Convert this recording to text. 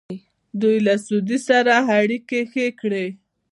دوی له سعودي سره اړیکې ښې کړې.